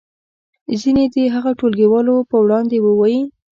ځینې دې هغه ټولګیوالو په وړاندې ووایي.